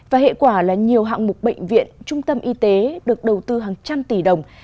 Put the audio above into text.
và hệ quả là nhiều hạng mục bệnh viện trung tâm y tế được đầu tư hàng trăm tỷ đồng